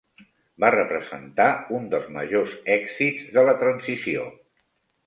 Va representar un dels majors èxits de la Transició.